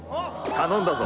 頼んだぞ